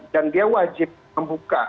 dan dia wajib membuka